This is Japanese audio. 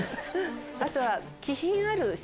あとは。